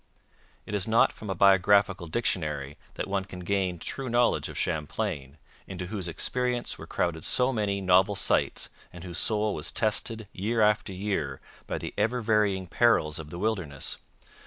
It is not from a biographical dictionary that one can gain true knowledge of Champlain, into whose experience were crowded so many novel sights and whose soul was tested, year after year, by the ever varying perils of the wilderness.